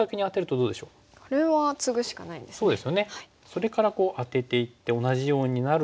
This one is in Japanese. それからアテていって同じようになると